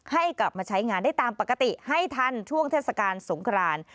ให้กลับมาใช้งานได้ตามปกติให้ทันช่วงเทศกาลสงคราน